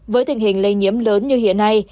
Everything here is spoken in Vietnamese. với tình hình lây nhiễm lớn như hiện nay